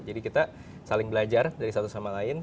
kita saling belajar dari satu sama lain